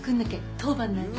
当番なんだ。